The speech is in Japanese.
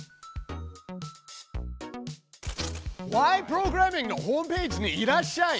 プログラミング」のホームページにいらっしゃい。